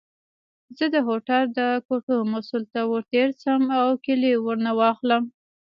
زه د هوټل د کوټو مسؤل ته ورتېر شم او کیلۍ ورنه واخلم.